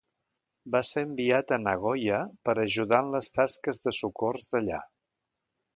Va ser enviat a Nagoya per ajudar en les tasques de socors d'allà.